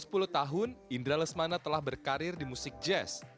sejak sepuluh tahun indra lesmana telah berkarir di musik jazz